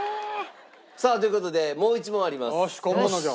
さあという事でもう１問あります。